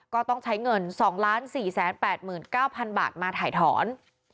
ก็ต้องใช้เงิน๒๔๘๙๐๐บาทมาถ่ายถอน